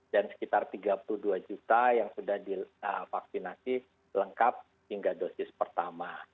dan sekitar tiga puluh dua juta yang sudah divaksinasi lengkap hingga dosis pertama